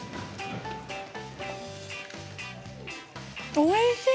おいしい！